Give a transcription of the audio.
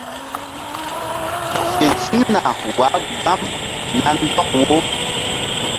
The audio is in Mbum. Fe ziŋna wah gbam na ndɔk wo.